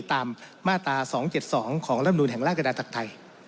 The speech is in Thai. ตามมาตรา๒๗๒ของรำนูนแห่งราชดาตไทย